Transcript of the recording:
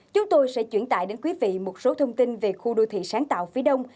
chúng tôi sẽ chuyển tải đến quý vị một số thông tin về khu đô thị sáng tạo phía đông